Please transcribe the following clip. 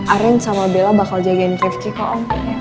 arin sama bella bakal jagain rifki kok om